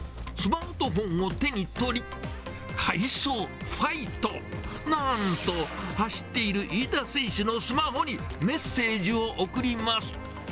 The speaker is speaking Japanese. スマートフォンを手に取り、快走、ファイト、なんと走っている飯田選手のスマホに、メッセージを送ります。